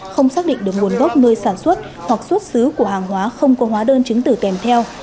không xác định được nguồn gốc nơi sản xuất hoặc xuất xứ của hàng hóa không có hóa đơn chứng tử kèm theo